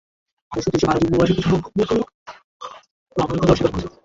পারস্য দেশীয় ও ভারত উপমহাদেশীয় কিছু সংখ্যক মূর্খ লোক প্লাবনের কথা অস্বীকার করেছে।